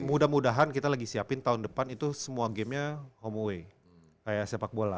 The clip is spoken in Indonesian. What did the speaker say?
mudah mudahan kita lagi siapin tahun depan itu semua gamenya home away kayak sepak bola